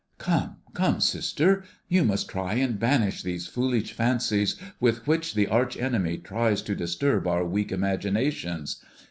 "Come, come, sister, you must try and banish these foolish fancies with which the arch enemy tries to disturb our weak imaginations.